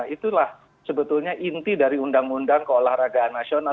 itulah sebetulnya inti dari undang undang keolahragaan nasional